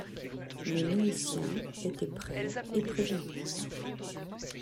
Nos Noétiens étaient prêts et prévenus.